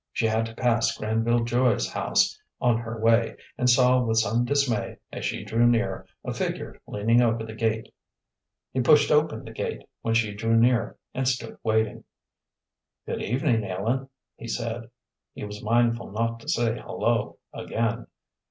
She had to pass Granville Joy's house on her way, and saw with some dismay, as she drew near, a figure leaning over the gate. He pushed open the gate when she drew near, and stood waiting. "Good evening, Ellen," he said. He was mindful not to say "Hullo" again.